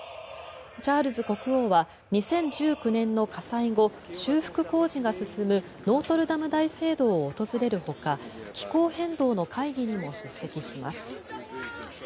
チャールズ国王は２０１９年の火災後修復工事が進むノートルダム大聖堂を訪れるほか気候変動の会議にも出席します。